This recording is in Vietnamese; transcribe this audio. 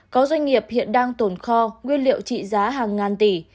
có doanh nghiệp hiện đang tồn kho nguyên liệu trị giá hàng ngàn tỷ